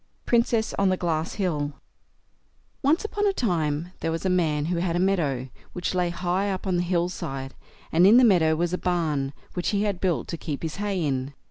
PRINCESS ON THE GLASS HILL Once on a time there was a man who had a meadow, which lay high up on the hill side, and in the meadow was a barn, which he had built to keep his hay in.